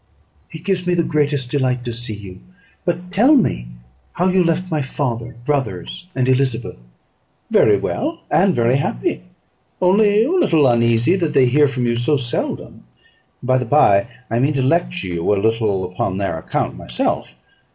"It gives me the greatest delight to see you; but tell me how you left my father, brothers, and Elizabeth." "Very well, and very happy, only a little uneasy that they hear from you so seldom. By the by, I mean to lecture you a little upon their account myself.